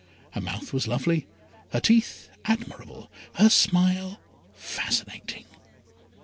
Her mouth was lovely, her teeth admirable, her smile fascinating.